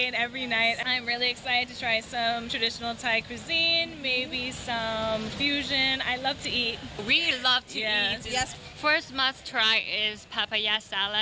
แล้วเป็นคนที่เหมือนกับว่าเพื่อนให้กันยอมรับนะ